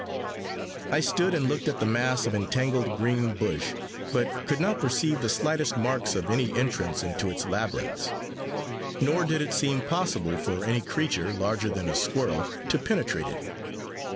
I stood and looked at this mass of entangled green bush, but could not perceive the slightest marks of any entrance into its labyrinths; nor did it seem possible for any creature, larger than a squirrel, to penetrate it.